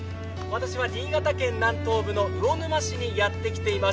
私は新潟県南東部の魚沼市にやってきています。